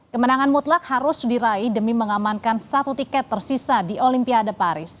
kemenangan mutlak harus diraih demi mengamankan satu tiket tersisa di olimpiade paris